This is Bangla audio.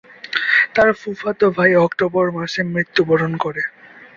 তার ফুফাতো ভাই অক্টোবর মাসে মৃত্যুবরণ করে।